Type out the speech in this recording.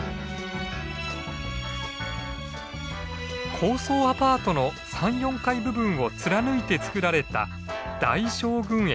高層アパートの３４階部分を貫いて造られた大将軍駅。